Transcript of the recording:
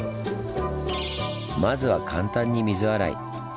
まずは簡単に水洗い。